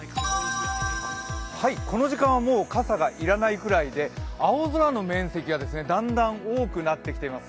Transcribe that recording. この時間はもう傘がいらないくらいで、青空の面積がだんだん多くなっています。